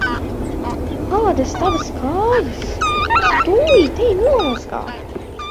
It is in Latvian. Kādas Tavas kājas! Tūlīt ej nomazgā!